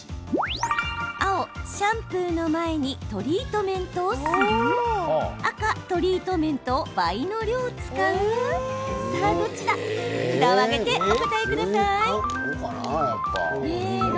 青・シャンプーの前にトリートメントをする赤・トリートメントを倍の量使うさあ、札を上げてお答えください。